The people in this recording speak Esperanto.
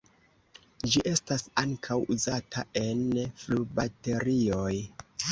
Ĝi estas ankaŭ uzata en flubaterioj.